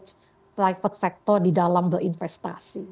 sektor pribadi di dalam berinvestasi